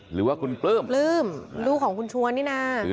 หรือว่าคุณปลื้มปลื้มลูกของคุณชวนนี่นะ